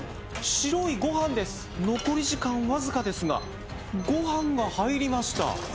白いご飯です残り時間わずかですがご飯が入りました